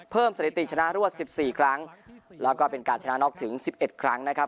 สถิติชนะรวด๑๔ครั้งแล้วก็เป็นการชนะน็อกถึง๑๑ครั้งนะครับ